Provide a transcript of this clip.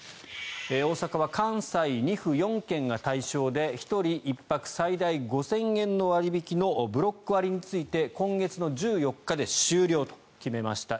大阪は関西２府４県が対象で１人１泊最大５０００円の割引のブロック割について今月１４日で終了と決めました。